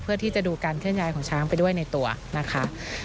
เพื่อที่จะดูการเคลื่อนย้ายของช้างไปด้วยในตัวนะคะ